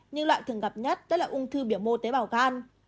nhưng loại thường gặp nhất đó là ung thư biểu mô tế bảo gan